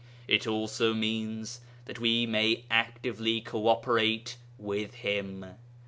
It also means that we may actively co operate with Him.